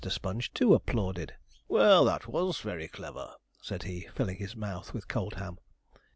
Sponge, too, applauded. 'Well, that was very clever,' said he, filling his mouth with cold ham.